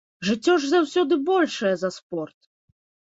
Жыццё ж заўсёды большае за спорт!